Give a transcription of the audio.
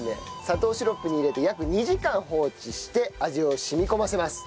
砂糖シロップに入れて約２時間放置して味を染み込ませます。